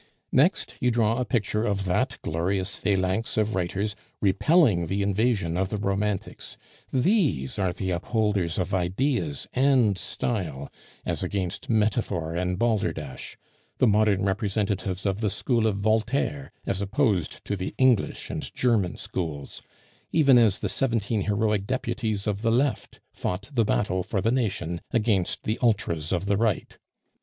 Next you draw a picture of that glorious phalanx of writers repelling the invasion of the Romantics; these are the upholders of ideas and style as against metaphor and balderdash; the modern representatives of the school of Voltaire as opposed to the English and German schools, even as the seventeen heroic deputies of the Left fought the battle for the nation against the Ultras of the Right.